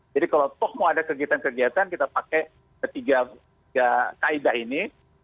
jadi kalau toh mau ada kegiatan kegiatan kita pakai ketiga kaedah ini